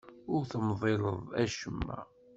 Ur temḍileḍ acemma.